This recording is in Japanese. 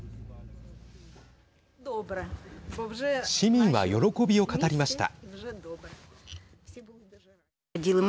市民は喜びを語りました。